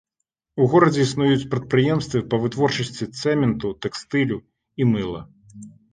У горадзе існуюць прадпрыемствы па вытворчасці цэменту, тэкстылю і мыла.